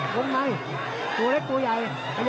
วงในตัวเล็กตัวใหญ่